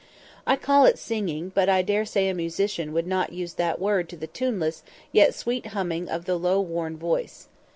I call it singing, but I dare say a musician would not use that word to the tuneless yet sweet humming of the low worn voice.